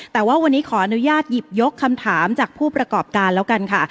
แต่ว่าวันนี้ขออนุญาตหยิบยกคำถามจากผู้ประกอบการแล้วกันค่ะ